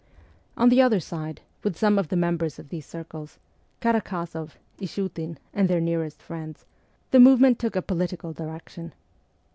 On the other side, with some of the members of these circles Karak6zoff, Ishiitin, and their nearest friends the movement took a political direction.